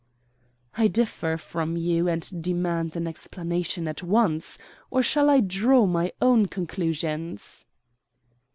"I differ from you, and demand an explanation at once or I shall draw my own conclusions."